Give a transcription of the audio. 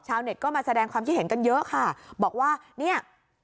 เน็ตก็มาแสดงความคิดเห็นกันเยอะค่ะบอกว่าเนี่ย